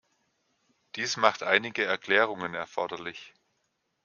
Dies macht einige Erklärungen erforderlich.